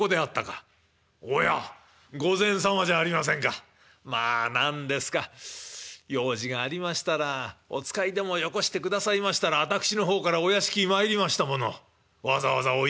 「おや御前様じゃありませんか。まあ何ですか用事がありましたらお使いでもよこしてくださいましたら私の方からお屋敷に参りましたものをわざわざおいでで」。